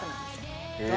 へえ。